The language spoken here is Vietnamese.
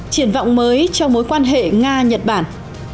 triển vọng mới cho mối quan hệ nga nhật bản